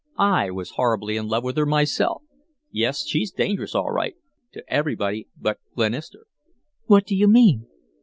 I was horribly in love with her myself. Yes, she's dangerous, all right to everybody but Glenister." "What do you mean?"